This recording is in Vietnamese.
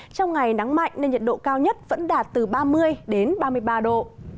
trong ngày nắng mạnh nên nhiệt độ cao nhất vẫn đạt từ ba mươi đến ba mươi ba độ